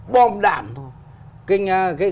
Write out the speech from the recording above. bom đạn thôi